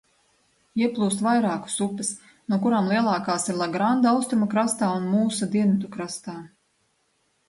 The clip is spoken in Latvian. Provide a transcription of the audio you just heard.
Ieplūst vairākas upes, no kurām lielākās ir Lagranda austrumu krastā un Mūsa dienvidu krastā.